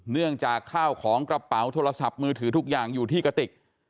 เนื่องจากข้าวของกระเป๋าโทรศัพท์มือถือทุกอย่างอยู่ที่กระติก